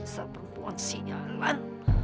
sama perempuan sinyal lan